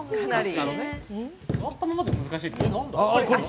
座ったままじゃ難しいですね。